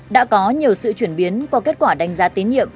đã có nhiều sự chuyển biến qua kết quả đánh giá tín nhiệm